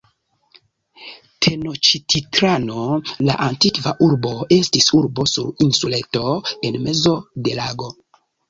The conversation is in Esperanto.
Tenoĉtitlano, la antikva urbo, estis urbo sur insuleto en mezo de lago.